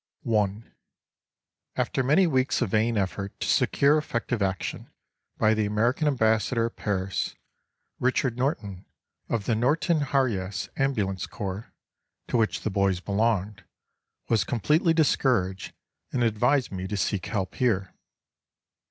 1. After many weeks of vain effort to secure effective action by the American Ambassador at Paris, Richard Norton of the Norton Harjes Ambulance Corps to which the boys belonged, was completely discouraged, and advised me to seek help here.